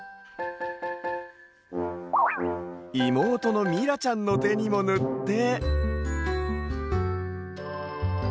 いもうとのみらちゃんのてにもぬって。